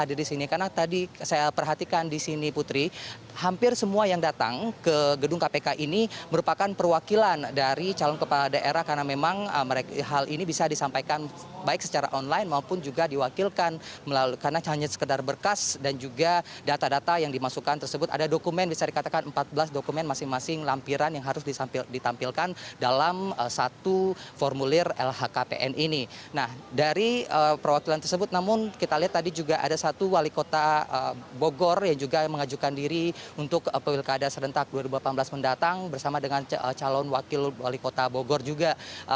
dari perwakilan tersebut namun kita lihat tadi juga ada satu wali kota bogor yang juga mengajukan diri untuk pewilkada serentak dua ribu delapan belas mendatang bersama dengan calon wakil wali kota bogor juga